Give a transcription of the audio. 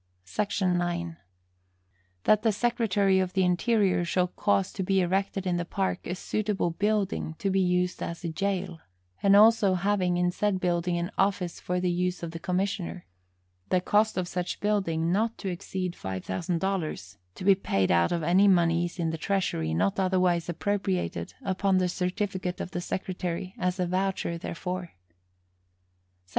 SEC. 9. That the Secretary of the Interior shall cause to be erected in the Park a suitable building to be used as a jail, and also having in said building an office for the use of the commissioner; the cost of such building not to exceed five thousand dollars, to be paid out of any moneys in the Treasury not otherwise appropriated upon the certificate of the Secretary as a voucher therefor.